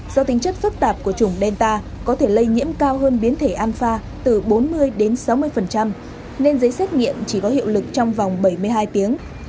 do tính chất phức tạp của chủng delta có thể lây nhiễm cao hơn biến thể anfa từ bốn mươi đến sáu mươi nên giấy xét nghiệm chỉ có hiệu lực trong vòng bảy mươi hai tiếng